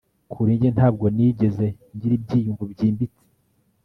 kuri njye ntabwo nigeze ngira ibyiyumvo byimbitse